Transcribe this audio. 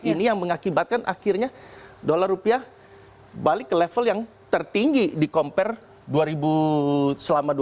ini yang mengakibatkan akhirnya dolar rupiah balik ke level yang tertinggi di compare selama dua ribu dua